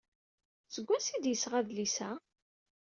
Seg wansi ay d-yesɣa adlis-a?